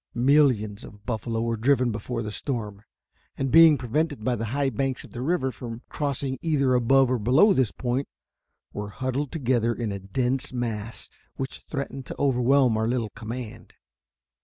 Millions of buffalo were driven before the storm, and, being prevented by the high banks of the river from crossing either above or below this point, were huddled together in a dense mass which threatened to overwhelm our little command.